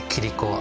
あ！